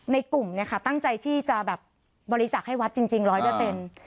ในกลุ่มเนี่ยค่ะตั้งใจที่จะแบบบริจาคให้วัดจริงจริงร้อยเปอร์เซ็นต์